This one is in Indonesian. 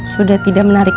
sudah tidak menarik